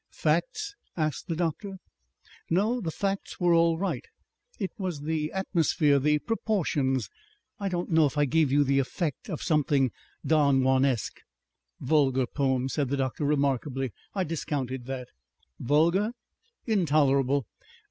"Facts?" asked the doctor. "No, the facts were all right. It was the atmosphere, the proportions.... I don't know if I gave you the effect of something Don Juanesque?..." "Vulgar poem," said the doctor remarkably. "I discounted that." "Vulgar!" "Intolerable.